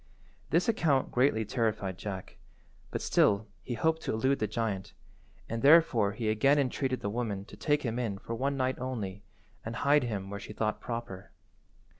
This account greatly terrified Jack, but still he hoped to elude the giant, and therefore he again entreated the woman to take him in for one night only, and hide him where she thought proper.